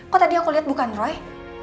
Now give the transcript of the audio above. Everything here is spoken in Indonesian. kok tadi aku lihat bukan roy